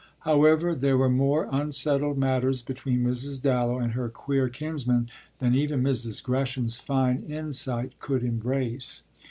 However, there were more unsettled matters between Mrs. Dallow and her queer kinsman than even Mrs. Gresham's fine insight could embrace.